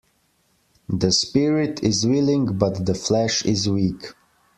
The spirit is willing but the flesh is weak.